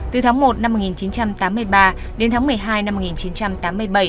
từ tháng một năm một nghìn chín trăm tám mươi ba đến tháng một mươi hai năm một nghìn chín trăm tám mươi bảy